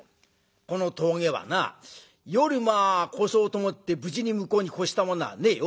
この峠はな夜まあ越そうと思って無事に向こうに越した者はねえよ。